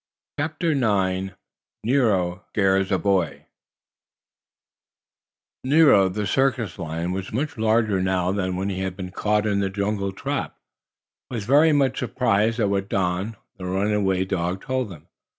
CHAPTER IX NERO SCARES A BOY Nero, the circus lion, who was much larger now than when he had been caught in a jungle trap, was very much surprised at what Don, the runaway dog told him.